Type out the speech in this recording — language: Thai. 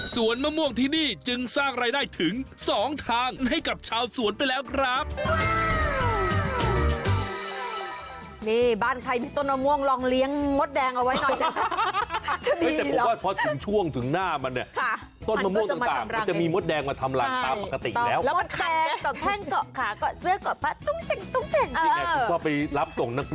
มะม่วงที่นี่จึงสร้างรายได้ถึง๒ทางให้กับชาวสวนไปแล้วครับ